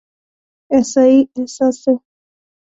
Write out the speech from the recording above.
احصایې حساسې دي.